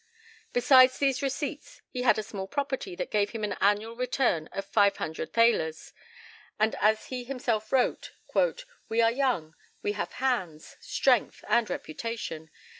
Besides these receipts, he had a small property that gave him an annual return of 500 thalers, and as he himself wrote: "We are young, and have hands, strength, and reputation....